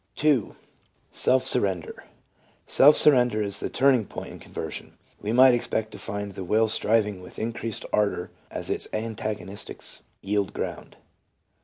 2. Self Surrender. Self surrender is the turning point in conversion. We might expect to find the will striv ing with increased ardor as its antagonists yield ground.